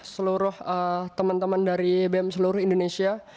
seluruh teman teman dari bem seluruh indonesia